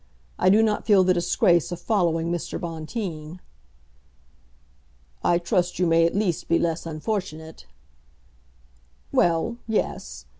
I do not feel the disgrace of following Mr. Bonteen." "I trust you may at least be less unfortunate." "Well; yes.